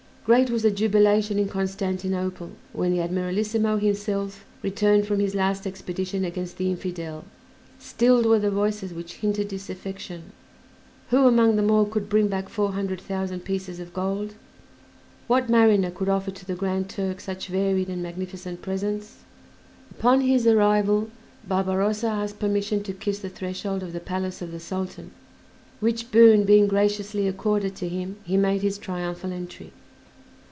Great was the jubilation in Constantinople when the Admiralissimo himself returned from his last expedition against the infidel; stilled were the voices which hinted disaffection who among them all could bring back four hundred thousand pieces of gold? What mariner could offer to the Grand Turk such varied and magnificent presents? Upon his arrival Barbarossa asked permission to kiss the threshold of the palace of the Sultan, which boon being graciously accorded to him, he made his triumphal entry.